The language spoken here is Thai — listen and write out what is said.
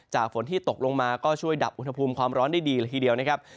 ฝนที่ตกลงมาก็ช่วยดับอุณหภูมิความร้อนได้ดีละทีเดียวนะครับ